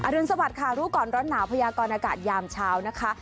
รุนสวัสดิค่ะรู้ก่อนร้อนหนาวพยากรอากาศยามเช้านะคะ